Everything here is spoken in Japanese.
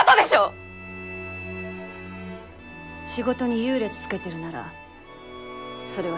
仕事に優劣つけてるならそれは失礼よ。